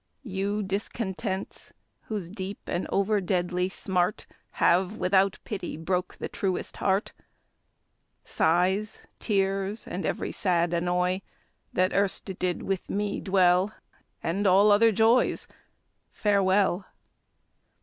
You discontents, whose deep and over deadly smart Have, without pity, broke the truest heart. Sighs, tears, and every sad annoy, That erst did with me dwell, And all other joys, Farewell!